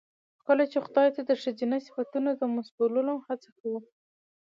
خو کله چې خداى ته د ښځينه صفتونو د منسوبولو هڅه کوو